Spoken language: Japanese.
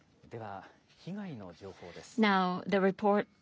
では、被害の情報です。